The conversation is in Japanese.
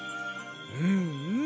うんうん。